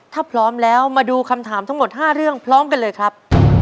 ถ้าพร้อมแล้วมาดูคำถามทั้งหมด๕เรื่องพร้อมกันเลยครับ